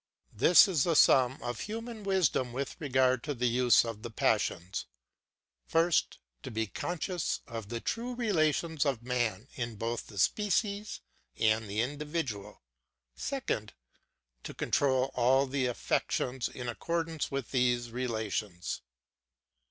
This is the sum of human wisdom with regard to the use of the passions. First, to be conscious of the true relations of man both in the species and the individual; second, to control all the affections in accordance with these relations.